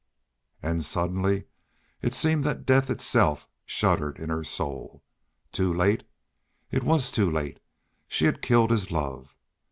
And suddenly it seemed that death itself shuddered in her soul. Too late! It was too late. She had killed his love.